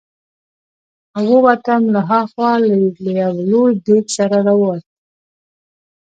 او ووتم، له ها خوا له یو لوی دېګ سره را ووت.